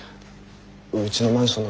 うちのマンションの前で。